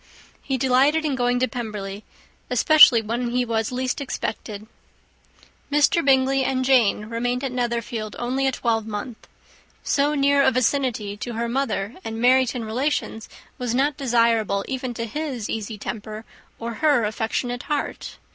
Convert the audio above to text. He delighted in going to Pemberley, especially when he was least expected. Mr. Bingley and Jane remained at Netherfield only a twelvemonth. So near a vicinity to her mother and Meryton relations was not desirable even to his easy temper, or her affectionate heart.